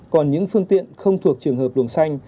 còn những phương tiện không thuộc trường hợp luồng xanh